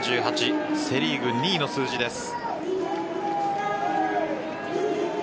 セ・リーグ２位の数字です。